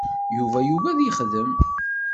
Yuba yugi ad yexdem.